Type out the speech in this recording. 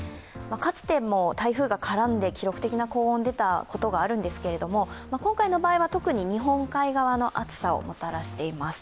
かつても台風が絡んで記録的な高温が出たことがあるんですけど今回の場合は、特に日本海側の暑さをもたらしています。